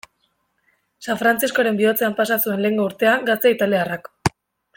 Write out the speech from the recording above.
San Frantziskoren bihotzean pasa zuen lehengo urtea gazte italiarrak.